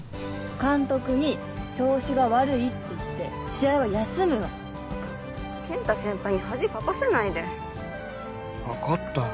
監督に調子が悪いって言って試合は休むの健太先輩に恥かかせないで分かったよ